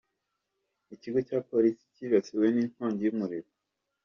Ikigo cya Polisi cyibasiwe n’inkongi y’umuriro